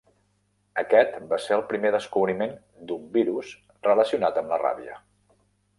Aquest va ser el primer descobriment d'un virus relacionat amb la ràbia.